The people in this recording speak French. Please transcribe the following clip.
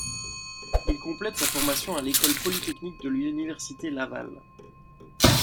Il complète sa formation à l'École Polytechnique de l'Université Laval.